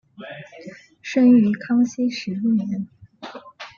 生于康熙十一年。